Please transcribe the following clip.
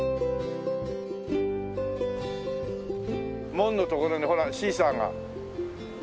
門の所にほらシーサーが。